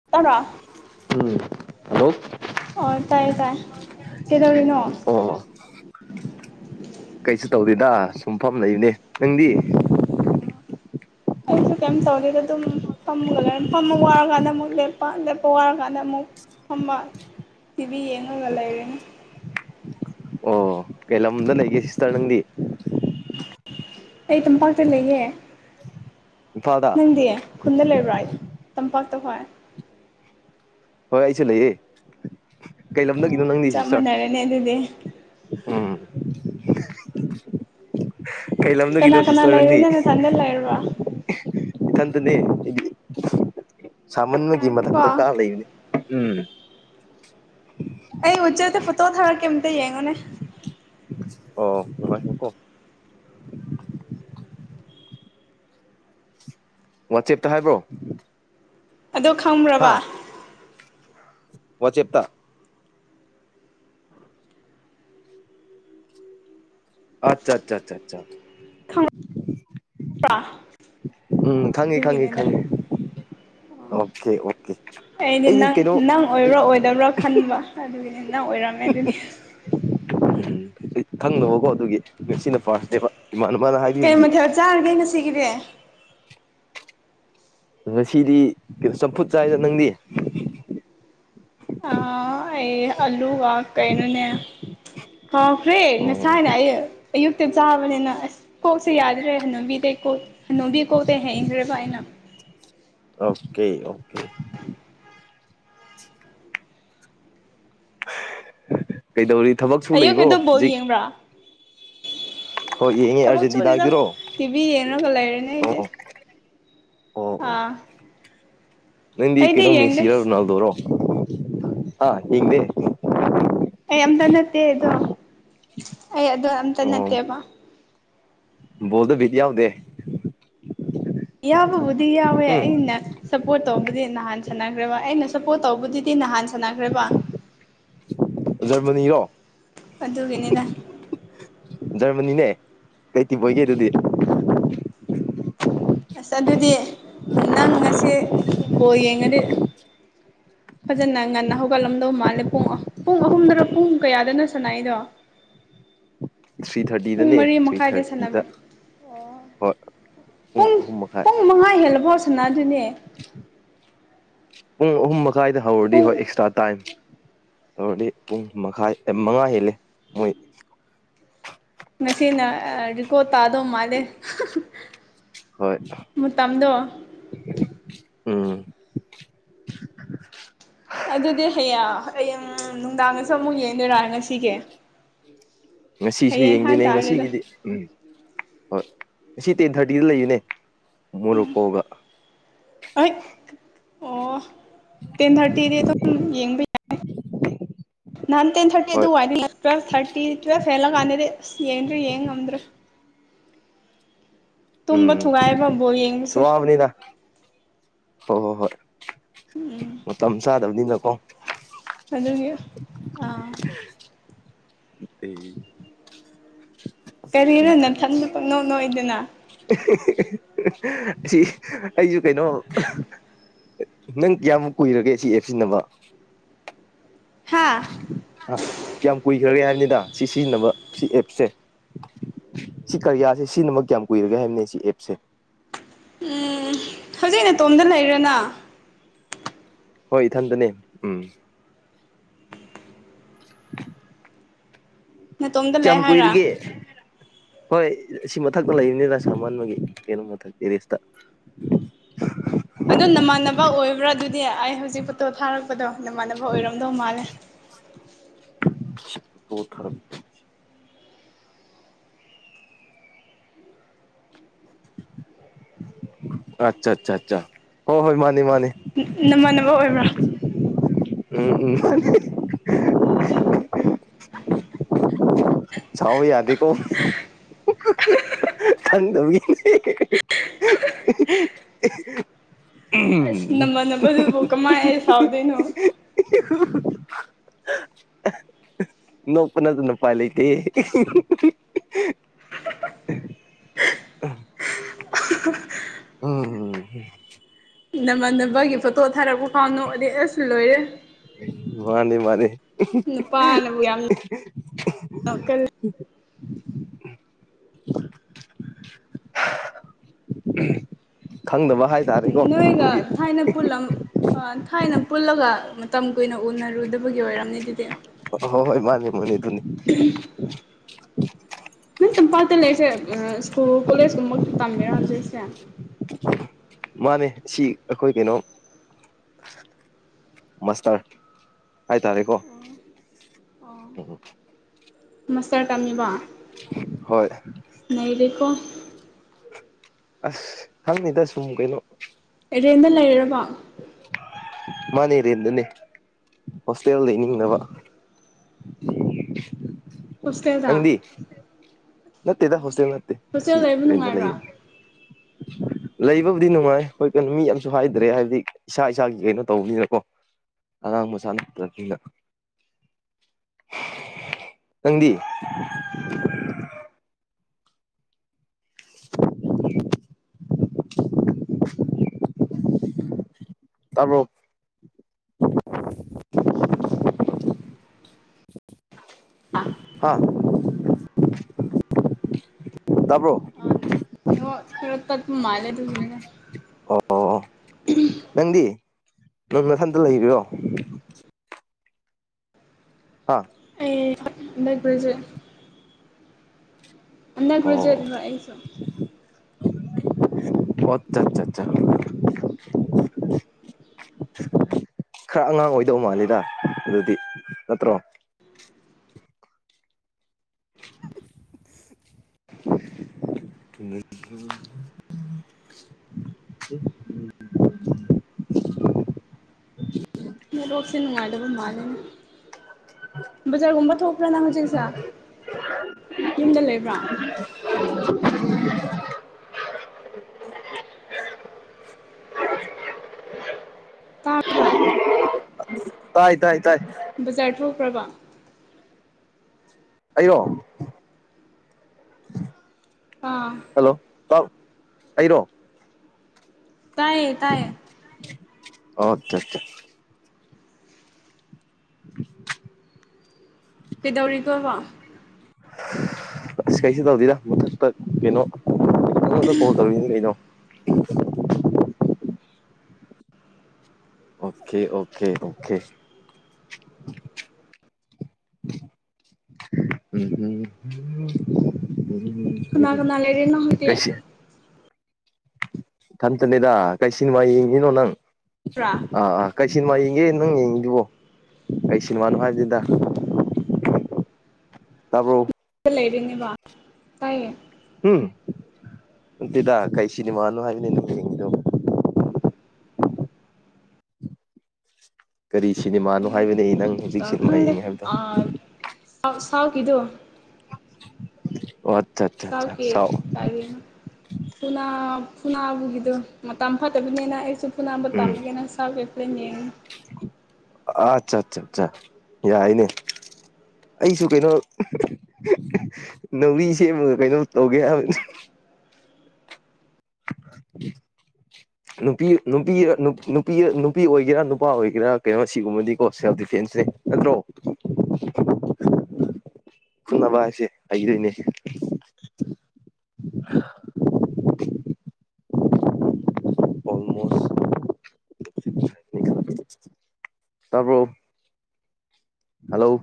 [unintelligible] ꯎꯝ hello ꯑꯣꯔ ꯇꯥꯏ ꯇꯥꯏ ꯀꯩꯗꯧꯔꯤꯅꯣ ꯑꯣ ꯀꯩꯁꯨ ꯇꯧꯔꯤꯗ ꯁꯨꯝꯐꯝ ꯂꯩꯅꯦ ꯅꯪꯗꯤ ꯑꯩꯁꯨ ꯀꯩꯝ ꯇꯧꯒꯦꯒ ꯑꯗꯨꯝ ꯐꯒ ꯐ ꯀ ꯃꯨ ꯂꯦꯞꯄ ꯂꯦꯞꯄ ꯀ ꯃꯨ ꯐꯕꯥꯥ ꯇꯤꯚꯕꯤ ꯌꯦꯡꯉꯒ ꯑꯆꯥ ꯑꯆꯥ ꯂꯩꯔꯅꯦ ꯑꯣ ꯀꯩ ꯂꯝꯗ ꯂꯩꯀꯦꯁꯤꯁꯥꯅ ꯅꯪꯗꯤ ꯑꯩ ꯇꯝꯄꯥꯛꯇ ꯂꯩꯌꯦ ꯏꯝꯐꯥꯜꯗ ꯅꯪꯗꯤ ꯈꯨꯟꯗ ꯂꯩꯕ꯭ꯔ ꯍꯥꯏ ꯇꯝꯄꯥꯛꯇ ꯍꯣꯏ ꯍꯣꯏ ꯑꯩꯁꯨ ꯂꯩꯌꯦ ꯀꯩ ꯂꯝꯂꯒꯤꯅꯣ ꯅꯪꯗꯤ ꯁꯤ ꯆꯞ ꯁꯥꯔ ꯃꯥꯟꯅꯔꯦꯅꯦ ꯑꯗꯨꯗꯤ ꯎꯝ ꯀꯩ ꯂꯝꯗꯒꯤꯅꯣ ꯀꯅꯥ ꯀꯅꯥ ꯁꯤꯁꯇꯔꯪꯗꯤ ꯂꯩꯔꯤꯅꯣ ꯅꯊꯟꯗ ꯂꯩꯔꯤꯔꯣ ꯏꯊꯟꯇꯅꯦ ꯑꯩꯗꯤ ꯁꯥꯃꯟꯕꯒꯤ ꯉꯥꯏꯈꯣꯀꯣ ꯃꯊꯛꯇ ꯀꯥ ꯂꯩꯕꯅꯦ ꯎꯝ ꯑꯩꯩꯅ ꯎꯆꯦ ꯄꯨꯠꯇꯣ ꯊꯔ ꯀꯃꯇ ꯌꯦꯡꯉꯣ ꯑꯣ ꯃꯅꯨꯡꯥꯏ ꯃꯀꯣ ꯋꯥꯆꯦꯞꯇ ꯍꯥꯏꯕ꯭ꯔꯣ ꯑꯗꯣ ꯈꯪꯕꯕ ꯋꯥ ꯆꯦꯞꯇ ꯑꯠꯆꯥ ꯑꯆꯥ ꯈꯪꯕ꯭ꯔꯥ ꯎꯝ ꯈꯪꯉꯤ ꯈꯪꯉꯤ ꯑꯗꯨꯒꯤꯅꯤꯗ ꯈꯪꯉꯦ ꯑꯣꯀꯦ ꯑꯣꯀꯦ ꯑꯩꯗꯤ ꯅꯪ ꯅꯪ ꯑꯣꯏꯕ꯭ꯔꯣ ꯑꯣꯏꯗꯕ꯭ꯔꯣ ꯈꯟꯕ ꯑꯗꯨꯒꯤꯗꯤ ꯅꯪ ꯑꯣꯏꯔꯝꯃꯦ ꯑꯗꯨꯗꯤ ꯎꯝ ꯑꯩ ꯊꯪꯗꯕꯀꯣ ꯑꯗꯨꯒꯤ ꯉꯁꯤꯅ ꯐꯥꯔꯁꯅꯦꯕ ꯏꯃꯥꯅ ꯃꯥꯅ ꯀꯩ ꯍꯥꯏꯕꯤꯕꯒꯤ ꯃꯊꯦꯜ ꯆꯥꯔꯒꯦ ꯉꯁꯤꯒꯤꯗꯤ ꯑ ꯉꯁꯤꯗꯤ ꯀꯩꯅꯣ ꯆꯝꯐꯨꯠ ꯆꯥꯏꯗ ꯅꯪꯗꯤ ꯑ ꯑꯩ ꯑꯜꯂꯨꯒ ꯀꯩꯅꯅꯦ ꯀꯥꯎꯈ꯭ꯔꯦ ꯑꯣ ꯉꯁꯥꯏꯅ ꯑꯩ ꯑꯌꯨꯛꯇ ꯆꯥꯕꯅꯤꯅ ꯑꯁ ꯀꯣꯁꯦ ꯌꯥꯗ ꯔꯦ ꯍꯅꯨꯕꯤꯗ ꯀꯣꯅꯨꯕꯤ ꯀꯣ ꯍ ꯔꯦ ꯥꯏꯅ ꯑꯣꯀꯦ ꯑꯣꯀꯦ ꯀꯩꯗꯧꯔꯤ ꯊꯕꯛ ꯁ ꯂꯩꯕ꯭ꯔꯣ ꯑꯌꯨꯛꯀꯤꯗꯣ ꯕꯣꯜ ꯍꯧꯖꯤꯛ ꯌꯦꯡꯕ꯭ꯔꯥ ꯍꯣꯏ ꯌꯦꯡꯉꯦ ꯊꯕꯛ ꯁꯨꯗꯦꯗ ꯑꯥꯔꯖꯦꯟꯇꯤꯅꯥꯗꯨꯔꯣ ꯇꯤꯚꯤ ꯌꯦꯡꯉꯒ ꯂꯩꯔꯦꯅꯦ ꯑꯣ ꯑꯩꯗꯤ ꯑꯥ ꯅꯗꯤ ꯑꯩꯗꯤ ꯀꯩꯅꯣ ꯌꯦꯡꯗꯦ ꯃꯦꯁꯤꯔꯔ ꯅꯜꯗꯧꯔꯣ ꯍꯥ ꯍꯗꯦ ꯑꯩ ꯑꯝꯇ ꯅꯠꯇꯦ ꯑꯗꯣ ꯑꯩ ꯑꯗꯣ ꯑꯝꯇ ꯅꯠꯇꯦꯕ ꯣꯗ ꯤꯗꯤ ꯌꯥꯎꯗꯦ ꯌꯥꯎꯕꯕꯨꯗꯤ ꯌꯥꯎꯋꯦ ꯎꯝ ꯑꯩꯅ ꯁꯞꯄꯣꯔꯠ ꯇꯧꯕꯗꯤ ꯅꯍꯥꯟ ꯁꯥꯟꯅꯈ꯭ꯔꯦꯕ ꯑꯩꯅ ꯁꯞꯄꯣꯔꯠ ꯇꯧꯕꯗꯤ ꯁꯤ ꯅꯍꯥꯟ ꯁꯥꯟꯅꯈ꯭ꯔꯦꯕ ꯖꯔꯃꯅꯤꯔꯣ ꯑꯗꯨꯒꯤꯅꯤꯅ ꯖꯔꯃꯅꯤꯅꯦ ꯀꯩ ꯇꯤꯕꯣꯏꯒꯦ ꯑꯗꯨꯗꯤ ꯑꯁ ꯑꯗꯨꯗꯤ ꯅꯪ ꯉꯁꯤ ꯕꯣ ꯌꯦꯡꯉꯗꯤ ꯐꯖꯅ ꯉꯟꯅ ꯍꯧꯒꯠꯂꯝꯗꯧ ꯃꯥꯜꯂꯦ ꯄꯨꯡꯉꯑꯣ [inaudible] ꯑꯍꯨꯝꯗꯅ ꯄꯨꯡ ꯀꯌꯥꯗꯅꯣ ꯁꯥꯟꯅꯥꯏꯗꯣ ꯊ꯭ꯔꯤ ꯄꯨꯡ ꯊꯥꯔꯇꯤꯗꯅꯦ ꯃꯔꯤ ꯊ꯭ꯔꯤ ꯃꯈꯥꯏꯗ ꯊꯥꯔꯇꯤꯗ ꯁꯥꯟꯅꯕ꯭ꯔꯥ ꯑꯣ ꯍꯣꯏ ꯄꯨꯡ ꯑꯍꯨꯝ ꯃꯈꯥꯏ ꯄꯨꯡ ꯃꯉꯥ ꯍꯦꯜꯂꯐꯥꯎ ꯁꯅꯥꯗꯨꯅꯦ ꯄꯨꯡ ꯑꯍꯨꯝ ꯃꯈꯥꯏꯗ ꯍꯧꯔꯗꯤ ꯄꯨꯡ ꯍꯣꯏ ꯑꯦꯛꯁꯇ꯭ꯔꯥ ꯇꯥꯏꯝ ꯇꯧꯔꯗꯤ ꯄꯨꯡ ꯃꯈꯥꯏ ꯃꯉꯥ ꯍꯦꯜꯂꯦ ꯃꯣꯏ ꯉꯁꯤꯅ ꯔꯤꯀꯣꯠ ꯇꯥꯗꯧ ꯃꯥꯜꯂꯦ ꯍꯣꯏ ꯃꯇꯝꯗꯣ ꯎꯝ ꯑꯗꯨꯗꯤ ꯍꯌꯦꯡ ꯍꯌꯦꯡ ꯅꯨꯡꯗꯥꯡꯁꯨ ꯑꯃꯨꯛ ꯌꯦꯡꯗꯣꯏꯔꯥ ꯉꯁꯤꯒꯤ ꯉꯁꯤꯁꯨ ꯍꯌꯦꯡ ꯌꯦꯡꯗꯣꯏꯅꯦ ꯍꯥꯏꯇꯥꯔꯦꯗ ꯉꯁꯤꯒꯤꯗꯤ ꯎꯝ ꯍꯣꯏ ꯁꯤ ꯇꯦꯟ ꯊꯥꯔꯇꯤꯗ ꯂꯩꯌꯅꯦ ꯃꯣꯔꯣꯛꯀꯣꯒ ꯑꯩ ꯑꯣ ꯇꯦꯟ ꯊꯥꯔꯇꯤꯗꯤ ꯑꯗꯨꯝ ꯌꯦꯡꯕ ꯌꯥꯏ [inaudible] ꯅꯍꯥꯟ ꯇꯦꯟ ꯊꯥꯔꯇꯤ ꯑꯗꯨ ꯍꯣꯏ ꯋꯥꯏꯅꯤ ꯇꯨꯋꯜꯐ ꯊꯥꯔꯇꯤ ꯇꯨꯋꯜꯐ ꯍꯦꯜꯂꯒꯥꯟꯗꯗꯤ ꯑꯁ ꯌꯦꯡꯗ꯭ꯔꯦ ꯌꯦꯡ ꯉꯝꯗ꯭ꯔꯦ ꯎꯝ ꯇꯨꯝꯕ ꯊꯨꯒꯥꯏꯕ ꯕꯣꯜ ꯌꯦꯡꯕꯁꯦ ꯁꯋꯥꯕꯅꯤꯗ ꯍꯣꯏ ꯍꯣꯏ ꯍꯣꯏ ꯃꯇꯝ ꯆꯥꯗꯕꯅꯤꯅꯀꯣ ꯑꯗꯨꯒꯤ ꯑꯥ ꯑꯩ ꯊ꯭ꯔꯤ ꯀꯔꯤꯅꯣ ꯅꯊꯟꯗ ꯄꯛꯅꯧ ꯅꯣꯏꯗꯅ ꯑꯁꯤ ꯑꯩꯁꯨ ꯀꯩꯅꯣ ꯅꯪ ꯀꯌꯥꯃꯨꯛ ꯀꯨꯏꯔꯒꯦ ꯁꯤ ꯑꯦꯞ ꯁꯤꯖꯤꯟꯅꯕ ꯍꯥꯥ ꯑ ꯀꯌꯥꯝ ꯀꯨꯏꯈ꯭ꯔꯒꯦ ꯍꯥꯏꯔꯅꯤꯗ ꯁꯤ ꯁꯤꯖꯤꯟꯅꯕ ꯁꯤ ꯑꯦꯞꯁꯦ ꯁꯤ ꯀꯔꯤꯌꯥꯁꯦ ꯁꯤꯅꯃꯛ ꯀꯌꯥꯝ ꯀꯨꯏꯔꯒꯦ ꯍꯥꯏꯕꯅꯦ ꯁꯤ ꯑꯦꯞꯁꯦ ꯎꯝ ꯍꯧꯖꯤꯛ ꯅꯇꯣꯝꯗ ꯂꯩꯔꯤꯔ ꯅꯪ ꯍꯣꯏ ꯏꯊꯟꯗꯅꯦ ꯎꯝ ꯅꯇꯣꯝꯗ ꯂꯩ ꯀꯌꯥꯝ ꯍꯥꯏꯔ ꯀꯨꯏꯔꯒꯦ ꯍꯣꯏ ꯑꯁꯤ ꯃꯊꯛꯇ ꯂꯩꯕꯅꯤꯗ ꯁꯥꯃꯟꯕꯒꯤ ꯀꯩꯅꯣ ꯃꯊꯛꯇ ꯇꯦꯔꯤꯁꯇ [unintelligible] ꯑꯗꯣ ꯅꯃꯥꯟꯅꯕ ꯑꯣꯏꯕ꯭ꯔꯥ ꯑꯗꯨꯗꯤ ꯑꯩ ꯍꯧꯖꯤꯛ ꯐꯣꯇꯣ ꯊꯥꯔꯛꯄꯗꯣ ꯅꯃꯥꯟꯅꯕ ꯑꯣꯏꯔꯝꯗꯧ ꯃꯥꯜꯂꯦ [unintelligible] ꯑꯆꯥ ꯑꯆꯥ ꯑꯆꯥ ꯍꯣꯏ ꯃꯥꯅꯤ ꯃꯥꯅꯤ ꯅꯃꯥꯟꯅꯕ ꯑꯣꯏꯕ꯭ꯔꯥ ꯎꯝ ꯎꯝ [unintelligible] ꯁꯥꯎꯕ ꯌꯥꯗꯦꯀꯣ [unintelligible] ꯈꯪꯗꯕꯒꯤ [unintelligible] ꯑꯁ [unintelligible] ꯅꯃꯥꯟꯅꯕꯗꯨꯕꯨ ꯀꯃꯥꯏ ꯑꯩ ꯁꯥꯎꯗꯣꯏꯅꯣ ꯅꯣꯛꯄ ꯅꯠꯇꯅ ꯎꯄꯥꯢ ꯂꯩꯇꯦ ꯎꯝ ꯎꯝ ꯅꯃꯥꯟꯅꯕꯒꯤ ꯐꯣꯇꯣ ꯊꯥꯔꯛꯄ ꯐꯥꯎ ꯅꯣꯛꯑꯗꯤ ꯑꯁ ꯂꯣꯏꯔꯦ ꯃꯥꯅꯤ ꯃꯥꯅꯤ ꯅꯨꯄꯥꯅꯕꯨ ꯌꯥꯝ ꯅꯣꯛꯀꯜꯂꯦ [unintelligible] [unintelligible] ꯈꯪꯗꯕ ꯍꯥꯏꯇꯥꯔꯦꯀꯣ ꯑꯗꯨꯒꯤ ꯅꯣꯏꯒ ꯊꯥꯏꯅ ꯄꯨꯜꯂꯝ ꯑ ꯊꯥꯏꯅ ꯄꯨꯜꯂꯒ ꯃꯇꯝ ꯀꯨꯏꯅ ꯎꯅꯔꯨꯗꯕꯒꯤ ꯑꯣꯏꯔꯝꯅꯤ ꯗꯨꯗꯤ꯫ ꯍꯣꯏ ꯍꯣꯏ ꯃꯥꯅꯦ ꯃꯥꯅꯦ ꯗꯨꯨꯅꯤ꯫ ꯅꯪ ꯇꯝꯄꯥꯛꯇ ꯂꯩꯔꯤꯁꯦ ꯁ꯭ꯀꯨꯜ ꯀꯣꯂꯦꯖꯀꯨꯝꯕ ꯇꯝꯃꯤꯔꯥ ꯍꯧꯖꯤꯛꯁꯦ? ꯃꯥꯅꯦ ꯁꯤ ꯑꯩꯈꯣꯏ ꯀꯩꯅꯣ ꯃꯥꯁꯇꯔ ꯍꯥꯏꯇꯥꯔꯦꯀꯣ ꯑꯣ ꯎꯝ ꯃꯥꯁꯇꯔ ꯇꯝꯃꯤꯕꯣ? ꯍꯣꯏ ꯅꯩꯔꯦꯀꯣ ꯑꯁ ꯈꯪꯗꯦꯗ ꯁꯨꯨꯝ ꯀꯩꯅꯣ ꯔꯦꯟꯗ ꯂꯩꯔꯕꯣ ꯃꯥꯅꯦ ꯔꯦꯟꯗꯅꯦ ꯍꯣꯁꯇꯦꯜ ꯂꯩꯅꯤꯡꯗꯕ꯫ ꯍꯣꯁꯇꯦꯜꯗ ꯅꯪꯗꯤ ꯅꯠꯇꯦꯗ ꯍꯣꯁꯇꯦꯜ ꯅꯠꯇꯦ ꯍꯣꯁꯇꯦꯜ ꯑꯁꯤ ꯂꯩꯕ ꯔꯦꯟꯗ ꯂꯩ꯫ ꯅꯨꯡꯉꯥꯏꯕ꯭ꯔꯥ ꯂꯩꯕꯕꯨꯗꯤ ꯅꯨꯡꯉꯥꯏ ꯍꯣꯏ ꯀꯩꯅꯣ ꯃꯤ ꯌꯥꯝꯁꯨ ꯍꯥꯏꯗ꯭ꯔꯦ ꯍꯥꯏꯕꯗꯤ ꯏꯁꯥ ꯏꯁꯥꯒꯤ ꯀꯩꯅꯣ ꯇꯧꯕꯅꯤꯅꯀꯣ꯫ ꯑꯉꯥꯡ ꯃꯆꯥ ꯅꯠꯇꯔꯕꯅꯤꯅ ꯅꯪꯗꯤ ꯇꯥꯕꯔꯣ ꯍꯥ ꯇꯥꯕ꯭ꯔꯣ? ꯑ ꯅꯦꯠꯋꯥꯔꯛ ꯈꯔ ꯇꯠꯄ ꯃꯥꯂꯦ ꯑꯗꯨꯒꯤꯅꯦꯗ꯫ ꯑꯣ ꯑꯣ ꯅꯪꯗꯤ ꯅꯪ ꯅꯊꯟꯇ ꯂꯩꯔꯤꯔꯣ? ꯍꯥ ꯑꯩ ꯍꯟꯗꯛ ꯒ꯭ꯔꯦꯖꯨꯌꯦꯠ ꯍꯟꯗꯛ ꯒ꯭ꯔꯦꯖꯨꯌꯦꯠ ꯑꯣ ꯑꯩꯁꯨ꯫ ꯑꯣ ꯑꯥ ꯑꯆꯥ [unintelligible] ꯈꯔ ꯑꯉꯥꯡ ꯑꯣꯏꯗꯧ ꯃꯥꯜꯂꯤꯗ ꯑꯗꯨꯗꯤ ꯅꯠꯇ꯭ꯔꯣ? [unintelligible] ꯅꯦꯠꯋꯥꯛꯁꯦ ꯅꯨꯡꯉꯥꯏꯇꯕ ꯃꯥꯜꯂꯦꯅꯦ ꯕꯖꯥꯔꯒꯨꯝꯕ ꯊꯣꯛꯄ꯭ꯔ ꯅꯪ ꯍꯨꯖꯤꯛꯁꯦ ꯌꯨꯝꯗ ꯂꯩꯕ꯭ꯔꯥ ꯇꯥꯕ꯭ꯔꯥ ꯇꯥꯏ ꯇꯥꯏ ꯇꯥꯏ ꯕꯖꯥꯔ ꯊꯣꯈꯔꯕ ꯑꯩꯔꯣ ꯑꯥ ꯍꯜꯂꯣ ꯇꯥ ꯑꯩꯔꯣ ꯇꯥꯏꯌꯦ ꯇꯥꯏꯌꯦ ꯑꯣ ꯆꯥ ꯆꯥ [inaudible] ꯀꯩꯗꯧꯔꯤꯒꯣꯕ ꯑꯁ ꯀꯩꯁꯨ ꯇꯧꯗꯦꯗ ꯃꯊꯛꯇ ꯀꯩꯅꯣ ꯅꯉꯣꯟꯗꯥ ꯀꯣꯜ ꯇꯧꯔꯤꯅꯤ ꯀꯩꯅꯣ ꯑꯣꯈꯦ ꯑꯣꯈꯦ ꯑꯣꯈꯦ ꯀꯅꯥ ꯀꯅꯥ ꯂꯩꯔꯦ ꯅꯪ ꯍꯧꯖꯤꯛ [unintelligible] [unintelligible] ꯊꯟꯇꯅꯦꯗ ꯀꯩ ꯁꯤꯅꯤꯃꯥ ꯌꯦꯡꯉꯤꯅꯣ ꯅꯪ ꯑꯥ ꯀꯩ ꯁꯤꯅꯦꯃꯥ ꯌꯦꯡꯒꯦ ꯅꯪ ꯌꯦꯡꯉꯤꯗꯨꯕꯣ ꯀꯩ ꯁꯤꯃꯥꯅꯣ ꯍꯥꯏꯕꯅꯤꯗ ꯇꯥꯕ꯭ꯔꯣ ꯂꯩꯔꯤꯅꯦꯕ ꯇꯥꯏꯌꯦ ꯎꯝ ꯑꯟꯇꯦꯗꯥ ꯀꯩ ꯁꯤꯅꯦꯃꯥꯅꯣ ꯍꯥꯏꯕꯅꯦ ꯅꯪ ꯌꯦꯡꯉꯤꯗꯣ ꯀꯔꯤ ꯁꯤꯅꯦꯃꯥꯅꯣ ꯍꯥꯏꯕꯅꯦ ꯅꯪ ꯍꯧꯖꯤꯛ ꯁꯤꯅꯦꯃꯥ ꯌꯦꯡꯉꯤ ꯍꯥꯏꯕꯗꯣ ꯁꯥꯥꯎ ꯁꯥꯎ ꯀꯤꯗꯣ ꯑꯣ ꯑꯠꯆꯥ ꯑꯠꯆꯥ ꯑꯆꯥ ꯁꯥꯎ ꯑꯥꯔꯤꯅꯣ ꯐꯅꯥ ꯐꯨꯅꯥꯕꯒꯤꯗꯣ ꯃꯇꯝ ꯐꯠꯇꯕꯤꯅꯤꯅ ꯑꯩꯁꯨ ꯐꯨꯅꯥꯕ ꯇꯝꯒꯦꯅ ꯁꯥꯎꯠꯀꯤ ꯐꯤꯂꯝ ꯌꯦꯡꯉꯤꯅꯤ ꯑꯥ ꯑꯠꯆꯥ ꯑꯠꯆꯥ ꯑꯠꯆꯥ ꯌꯥꯏꯅꯦ ꯑꯩꯁꯨ ꯀꯩꯅꯣ ꯅꯣꯔꯤ ꯁꯦꯝꯃꯒ ꯀꯩꯅꯣ ꯇꯧꯒꯦ ꯍꯥꯏꯕꯅꯤ [unintelligible] ꯅꯨꯄꯤ ꯅꯨꯄꯤ ꯅꯨꯄꯤ ꯅꯨꯄꯤ ꯑꯣꯏꯒꯦꯔꯥ ꯅꯨꯄꯥ ꯑꯣꯏꯒꯦꯔꯥ ꯀꯩꯅꯣ ꯁꯤꯒꯨꯝꯕꯗꯤꯀꯣ ꯁꯦꯜꯐ ꯗꯤꯐꯦꯟꯁꯁꯦ ꯅꯠꯇ꯭ꯔꯣ ꯐꯨꯟꯅꯕ ꯍꯥꯏꯁꯦ ꯍꯩꯗꯣꯏꯅꯦ ꯑꯣꯜꯃꯣꯁ ꯇꯕ꯭ꯔꯣ ꯍꯜꯂꯣ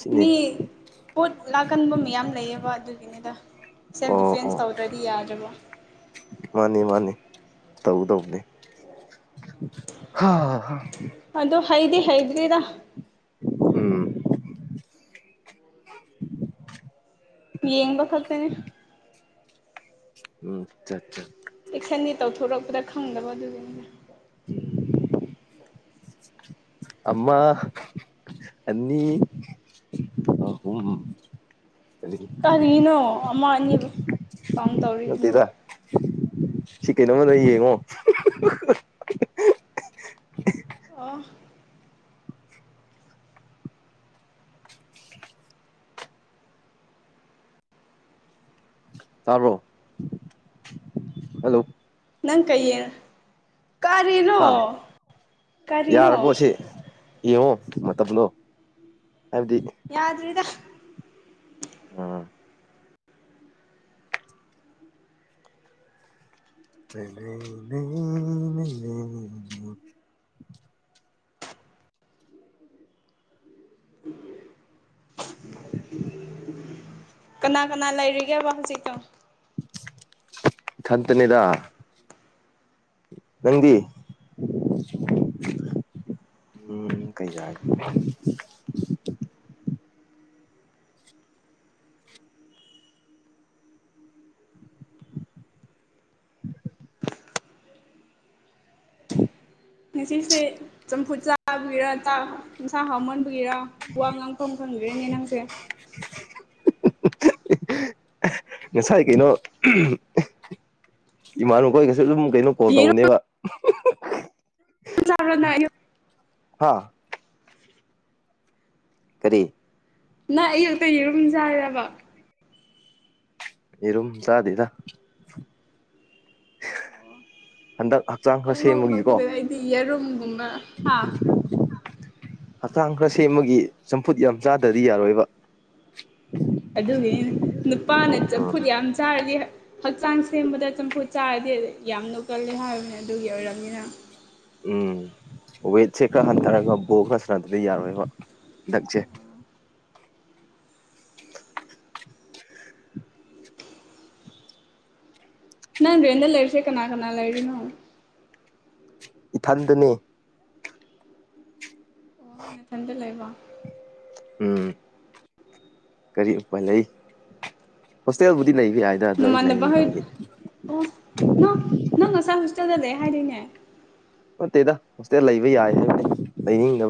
ꯁꯤꯅꯤ ꯃꯤ ꯄꯣꯠ ꯂꯥꯛꯀꯟꯕ ꯃꯌꯥꯝ ꯂꯩꯌꯦꯕ ꯑꯗꯨꯒꯤꯅꯤꯗ ꯁꯦꯜꯐ ꯑꯣ ꯗꯤꯐꯦꯟꯁ ꯑꯣ ꯇꯧꯗ꯭ꯔꯗꯤ ꯌꯥꯗ꯭ꯔꯕꯣ ꯃꯥꯅꯤ ꯃꯥꯅꯤ ꯇꯧꯗꯧꯕꯅꯤ ꯑꯗꯨ ꯍꯩꯗꯤ ꯍꯩꯗꯔꯤꯗꯥ ꯎꯝ ꯌꯦꯡꯕꯥꯥ ꯈꯛꯇꯥꯅꯦ ꯎꯝ ꯑꯆꯥꯆꯥ ꯑꯦꯛꯁꯟꯗꯤ ꯇꯧꯊꯣꯔꯛꯄꯗ ꯈꯪꯗꯕ ꯑꯗꯨꯒꯤꯅꯤꯗꯥ [unintelligible] ꯑꯃ ꯑꯅꯤ ꯑꯍꯨꯝ ꯀꯔꯤ ꯀꯥꯔꯤꯅꯣ ꯑꯃ ꯑꯅꯤꯕꯨ ꯀꯥꯎꯟ ꯇꯧꯔꯤꯁꯤꯅ ꯅꯠꯇꯦꯗ ꯁꯤ ꯀꯩꯅꯣꯝꯃꯗꯥ ꯌꯦꯡꯉꯣ [inaudible] ꯑꯣ [inaudible] ꯇꯥꯕ꯭ꯔꯣ ꯍꯜꯂꯣ ꯅꯪ ꯀꯩꯌꯦ ꯀꯔꯤꯅꯣ ꯍꯥ ꯀꯔꯤꯅꯣ ꯌꯥꯔꯕꯣ ꯁꯤ ꯌꯦꯡꯉꯣ ꯃꯇꯝꯗ‌ꯣ ꯍꯥꯏꯕꯗꯤ ꯌꯥꯗꯔꯤꯗ ꯎꯝ [unintelligible] [inaudible] ꯀꯅꯥ ꯀꯅꯥ ꯂꯩꯔꯤꯒꯦꯕ ꯍꯧꯖꯤꯛꯇ‌ꯣ ꯏꯊꯟꯇꯅ‌ꯦꯗ ꯅꯪꯗꯤ ꯎꯝ ꯀꯩ ꯌꯥꯏ ꯉꯁꯤꯁꯦ ꯆꯝꯐꯨꯠ ꯆꯥꯕꯒꯤꯔꯥ ꯆꯥꯛ ꯏꯟꯁꯥꯡ ꯍꯥꯎꯃꯟꯕꯒꯤꯔ ꯋꯥ ꯉꯥꯡꯐꯝ ꯈꯪꯈ꯭ꯔꯦꯅꯦ ꯅꯪꯁꯦ [inaudible] ꯉꯁꯥꯏ ꯀꯩꯅꯣ ꯏꯃꯥꯟꯕ ꯈꯣꯏꯒꯁꯨ ꯑꯗꯨꯝ ꯀꯩꯅꯣ ꯀꯣꯜ ꯌꯦꯔꯨꯝ ꯇꯧꯕꯅꯦꯕ [unintelligible] ꯍꯥ ꯀꯔꯤ ꯅꯪ ꯑꯌꯨꯛꯇ ꯌꯦꯔꯨꯝ ꯆꯥꯏꯔꯤꯔꯕ ꯌꯦꯔꯨꯝ ꯆꯥꯗꯦꯗ [unintelligible] ꯍꯟꯗꯛ ꯍꯛꯆꯥꯡ ꯈꯔ ꯁꯦꯝꯕꯒꯤꯀꯣ ꯌꯦꯔꯨꯝ ꯍꯛꯆꯥꯡ ꯈꯔ ꯁꯦꯝꯕꯒꯤ ꯆꯝꯐꯨꯠ ꯌꯥꯝ ꯆꯥꯗ꯭ꯔꯗꯤ ꯌꯥꯔꯣꯏꯕ ꯑꯗꯨꯒꯤꯅꯤ ꯅꯨꯄꯥꯅ ꯆꯝꯐꯨꯠ ꯌꯥꯝ ꯆꯥꯔꯗꯤ ꯍꯛꯆꯥꯡ ꯁꯦꯝꯕꯗ ꯆꯝꯐꯨꯠ ꯆꯥꯔꯗꯤ ꯌꯥꯝ ꯅꯣꯛꯀꯜꯂꯦ ꯍꯥꯏꯕꯅꯦ ꯑꯗꯨꯒꯤ ꯑꯣꯏꯔꯝꯅꯤ ꯅꯪ ꯎꯝ ꯋꯦꯠꯁꯦ ꯈꯔ ꯍꯟꯊꯔꯒ ꯕꯣꯜ ꯈꯔ ꯁꯥꯟꯅꯗ ꯌꯥꯔꯣꯏꯕ ꯍꯟꯗꯛꯁꯦ ꯅꯪ ꯔꯦꯟꯗ ꯂꯩꯔꯤꯁꯦ ꯀꯅꯥ ꯀꯅꯥ ꯂꯩꯔꯤꯅꯣ ꯏꯊꯟꯗꯅꯤ ꯅꯊꯟꯗ ꯂꯩꯕ ꯎꯝ ꯀꯔꯤ ꯎꯄꯥꯏ ꯂꯩ ꯍꯣꯁꯇꯦꯜꯕꯨꯗꯤ ꯂꯩꯕ ꯌꯥꯏ ꯅꯃꯥꯟꯅꯕ ꯍꯣꯏ ꯑꯣ ꯅꯪ ꯅꯪ ꯉꯁꯥꯏ ꯍꯣꯁꯇꯦꯜꯗ ꯂꯩ ꯍꯥꯏꯗꯥꯏꯅꯦ ꯅꯠꯇꯦꯗ ꯍꯣꯁꯇꯦꯜ ꯂꯩꯕ ꯌꯥꯏ ꯍꯥꯏꯕꯅꯤ ꯂꯩꯅꯤꯡꯗꯕ